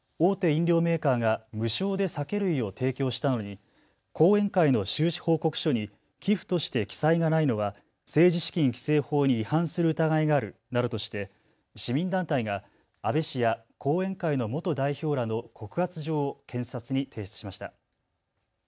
飲料メーカーが無償で酒類を提供したのに後援会の収支報告書に寄付として記載がないのは政治資金規正法に違反する疑いがあるなどとして市民団体が安倍氏や後援会の元代表らの告発状を検察に提出しました。